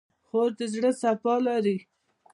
خور د زړه صفا لري.